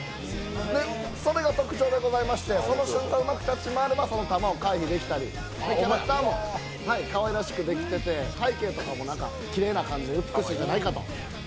で、それが特徴でして、その瞬間うまく立ち回ればその球を回避できたり、キャラクターもかわいらしくできていて、背景とかもきれいな感じで美しいんじゃないかと。